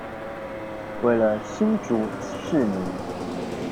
為了新竹市民